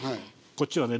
こっちはね